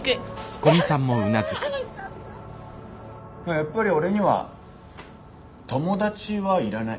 やっぱり俺には友達はいらない。